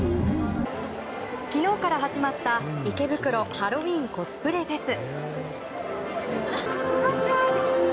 昨日から始まった池袋ハロウィンコスプレフェス。